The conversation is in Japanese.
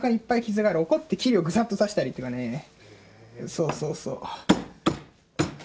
そうそうそう。